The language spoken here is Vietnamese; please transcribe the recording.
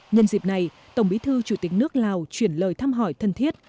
nhân dịp này tổng bí thư chủ tịch nước lào chuyển lời thăm hỏi thân thiết